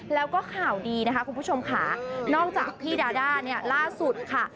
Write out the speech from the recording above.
แล้วก็ข่าวดีนะคะคุณผู้ชมค่ะนอกจากพี่ดาด้าเนี่ยล่าสุดค่ะ